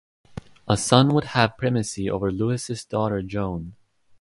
A son would have primacy over Louis' daughter, Joan.